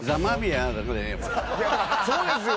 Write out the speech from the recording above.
そうですよ。